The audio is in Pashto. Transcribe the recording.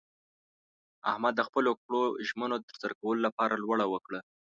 احمد د خپلو کړو ژمنو د ترسره کولو لپاره لوړه وکړله.